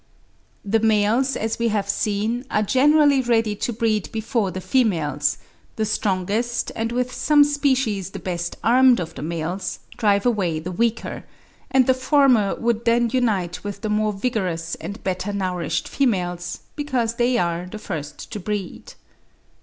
The males, as we have seen, are generally ready to breed before the females; the strongest, and with some species the best armed of the males, drive away the weaker; and the former would then unite with the more vigorous and better nourished females, because they are the first to breed.